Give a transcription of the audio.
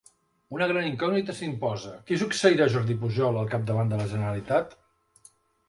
Una gran incògnita s'imposa: Qui succeirà Jordi Pujol al capdavant de la Generalitat?